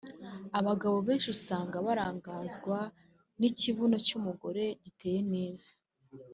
Abagabo benshi usanga barangazwa n’ikibuno cy’umugore giteye neza